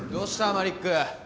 マリック。